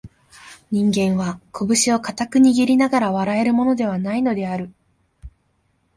人間は、こぶしを固く握りながら笑えるものでは無いのである